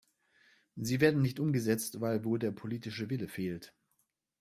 Sie werden nicht umgesetzt, weil wohl der politische Wille fehlt.